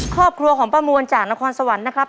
ครอบครัวของป้ามวลจากนครสวรรค์นะครับ